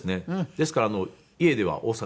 ですから家では大阪弁ですね。